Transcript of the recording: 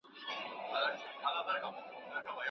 که موږ منظم ووسو نو هدف ته رسيږو.